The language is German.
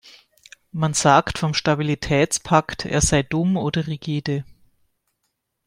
Man sagt vom Stabilitätspakt, er sei dumm oder rigide.